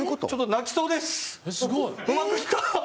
ちょっと泣きそうです。